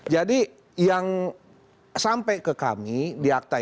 jadi yang sampai ke kami di akta ini